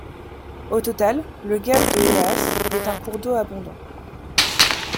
Au total, le gave de Héas est un cours d'eau abondant.